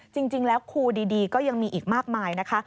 จริงแล้วครูดีก็ยังมีอีกมากมายนะคะ